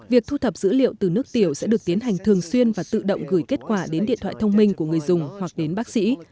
việc thu thập dữ liệu từ nước tiểu sẽ được tiến hành thường xuyên và tự động gửi kết quả đến điện thoại thông minh của người dùng hoặc đến bác sĩ